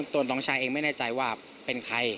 ตัวน้องชายเองไม่แน่ใจว่าเป็นใคร